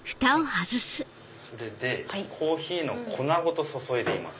それでコーヒーの粉ごと注いでいます。